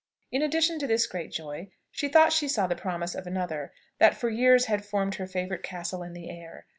In addition to this great joy, she thought she saw the promise of another, that for years had formed her favourite castle in the air.